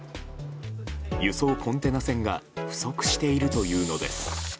輸送コンテナ船が不足しているというのです。